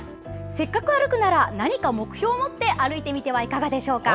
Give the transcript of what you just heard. せっかく歩くなら何か目標を持って歩いてみてはいかがでしょうか？